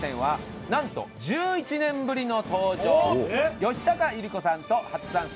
吉高由里子さんと初参戦